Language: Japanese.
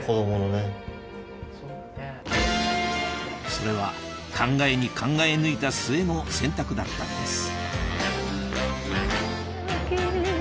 それは考えに考え抜いた末の選択だったんです